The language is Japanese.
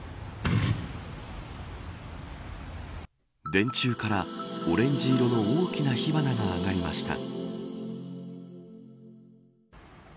電柱からオレンジ色の大きな火花が上がりました。